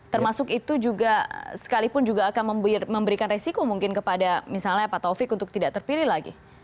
termasuk itu juga sekalipun juga akan memberikan resiko mungkin kepada misalnya pak taufik untuk tidak terpilih lagi